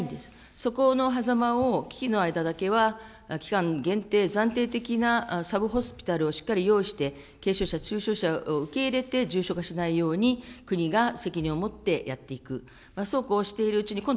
そこのはざまを危機の間だけは期間限定、暫定的なサブホスピタルをしっかり用意して、軽症者、中症者を受け入れて、重症化しないように、国が責任を持ってやっていく。